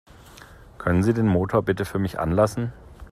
Können Sie den Motor bitte für mich anlassen?